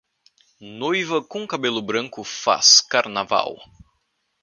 Noiva com cabelo branco faz carnaval.